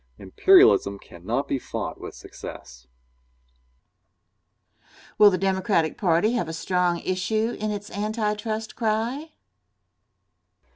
Imperialism cannot be fought with success. Question. Will the Democratic party have a strong issue in its anti trust cry?